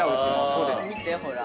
見て、ほら。